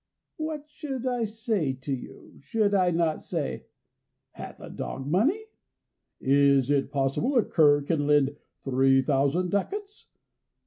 What should I say to you? Should I not say, 'Hath a dog money? Is it possible a cur can lend three thousand ducats?